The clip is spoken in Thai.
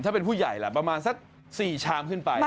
ถ้าเป็นผู้ใหญ่ล่ะประมาณสัก๔ชามขึ้นไป